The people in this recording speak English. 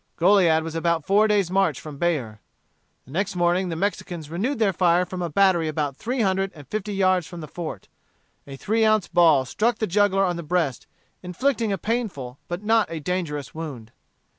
Goliad was about four days' march from Bexar. The next morning the Mexicans renewed their fire from a battery about three hundred and fifty yards from the fort. A three ounce ball struck the juggler on the breast, inflicting a painful but not a dangerous wound.